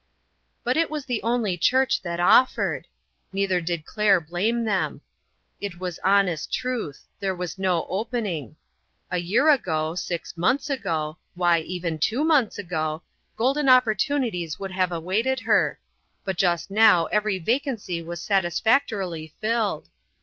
But it was the only church that offered. Neither did Claire blame them. It was hon est truth ; there was no opening. A year ago six months ago why, even two months ago, golden opportunities would have awaited her ; but just now every vacancy was satisfactorily filled.